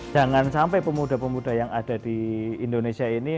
jangan sampai pemuda pemuda yang ada di indonesia ini